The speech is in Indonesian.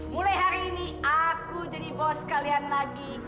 mulai hari ini aku jadi bos sekalian lagi